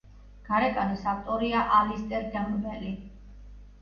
გარეკანის ავტორია ალისტერ კემპბელი.